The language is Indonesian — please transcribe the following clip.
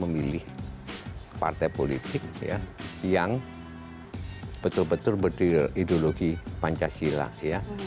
tetap memilih partai politik yang betul betul berideologi pancasila